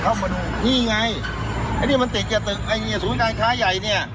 เข้ามาดูนี่ไงไอ้เนี้ยมันติดกับตึกไอ้เนี้ยศูนย์การค้าใหญ่เนี่ย